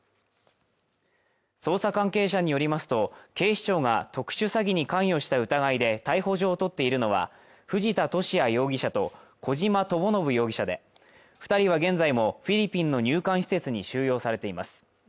捜査関係者によりますと警視庁が特殊詐欺に関与した疑いで逮捕状を取っているのは藤田聖也容疑者と小島智信容疑者で二人は現在もフィリピンの入管施設に収容されています